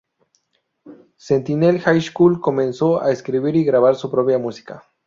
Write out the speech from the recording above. Sentinel High School y comenzó a escribir y grabar su propia música.